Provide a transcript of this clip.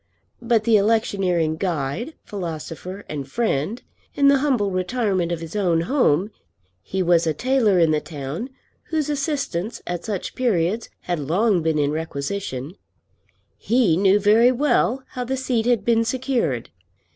But the electioneering guide, philosopher, and friend, in the humble retirement of his own home, he was a tailor in the town, whose assistance at such periods had long been in requisition, he knew very well how the seat had been secured.